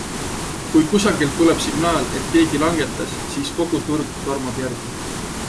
Kui kusagilt tuleb signaal, et keegi langetas, siis kogu turg tormab järgi.